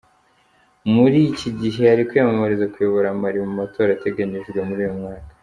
Muri iki gihe ari kwiyamamariza kuyobora Mali mu matora ateganyijwe muri uyu mwaka.